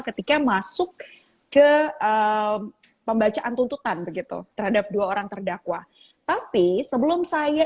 ketika masuk ke pembacaan tuntutan begitu terhadap dua orang terdakwa tapi sebelum saya